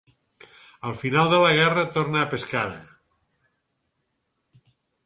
Al final de la guerra torna a Pescara.